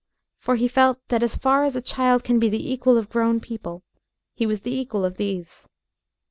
For he felt that, as far as a child can be the equal of grown people, he was the equal of these.